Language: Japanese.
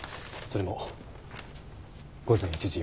それも午前１時４分。